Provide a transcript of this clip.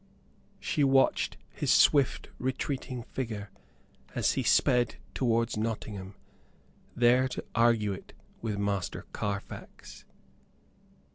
She watched his swift retreating figure as he sped towards Nottingham, there to argue it with Master Carfax.